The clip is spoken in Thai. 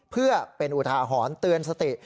เพื่อเป็นอุทาหรณ์เตือนสติ